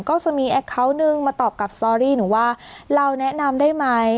ก็มีแอคเคาน์นึงมาตอบกับสตอรี่หนูว่าเราแนะนำได้ไหม